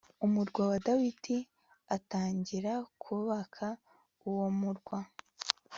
umurwa wa dawidi atangira kubaka uwo murwa